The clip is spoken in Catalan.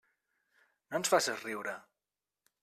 No ens faces riure!